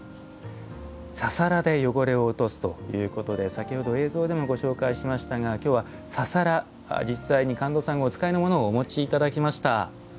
ササラで汚れを落とすということで先ほど映像でもご紹介しましたが今日はササラ、実際に神門さんがお使いのものをお持ちいただきました。